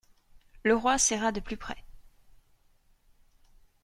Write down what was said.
Le roi serra de plus près.